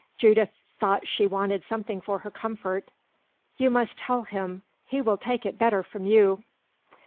Judith thought she wanted something for her comfort. "You must tell him; he will take it better from you."